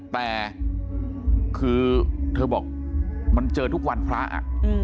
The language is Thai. แต่คือเธอบอกมันเจอทุกวันพระอ่ะ